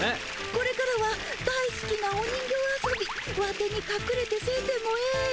これからは大すきなお人形遊びワテにかくれてせんでもええよ。